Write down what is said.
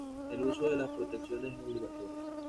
El uso de las protecciones es obligatorio.